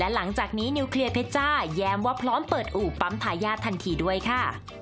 หลังจากนี้นิวเคลียร์เพชจ้าแย้มว่าพร้อมเปิดอู่ปั๊มทายาททันทีด้วยค่ะ